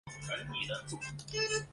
贝冢车站共用的铁路车站。